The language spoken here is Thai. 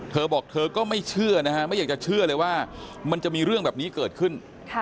เธอบอกเธอก็ไม่เชื่อนะฮะไม่อยากจะเชื่อเลยว่ามันจะมีเรื่องแบบนี้เกิดขึ้น